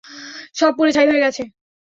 সব পুড়ে ছাই হয়ে গেছে।